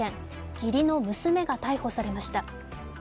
義理の娘が逮捕されました。